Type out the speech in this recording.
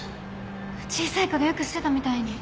小さいころよくしてたみたいに。